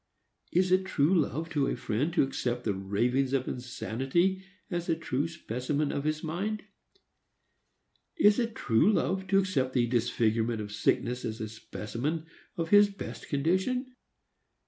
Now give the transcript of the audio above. Is it true love to a friend to accept the ravings of insanity as a true specimen of his mind? Is it true love to accept the disfigurement of sickness as a specimen of his best condition?